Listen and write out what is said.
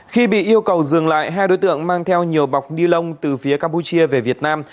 khi bị yêu cầu dừng lại hai đối tượng mang theo nhiều bọc ni lông từ phía campuchia về việt nam